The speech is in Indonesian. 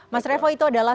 mas revo itu adalah